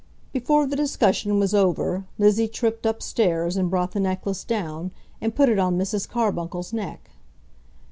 Before the discussion was over, Lizzie tripped up stairs and brought the necklace down, and put it on Mrs. Carbuncle's neck.